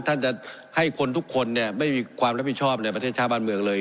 ท่านจะให้คนทุกคนเนี่ยไม่มีความรับผิดชอบในประเทศชาติบ้านเมืองเลย